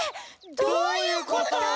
どういうこと？